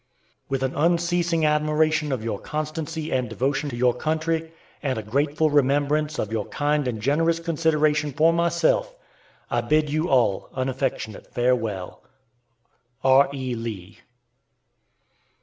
With an unceasing admiration of your constancy and devotion to your country, and a grateful remembrance of your kind and generous consideration for myself, I bid you all an affectionate farewell. R.E. LEE.